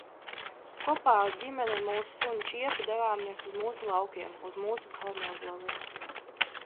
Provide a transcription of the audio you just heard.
Kopā ar ģimeni un mūsu suni Čiepu devāmies uz mūsu laukiem, uz mūsu Kalnozoliem.